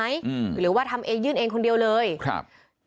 ทางคุณชัยธวัดก็บอกว่าการยื่นเรื่องแก้ไขมาตรวจสองเจน